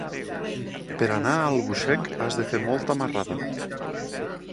Per anar a Albuixec has de fer molta marrada.